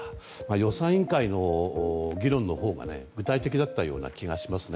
予算委員会の議論のほうが具体的だったような気がしますね。